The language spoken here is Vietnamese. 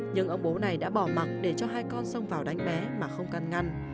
nhưng ông bố này đã bỏ mặt để cho hai con sông vào đánh bé mà không căn ngăn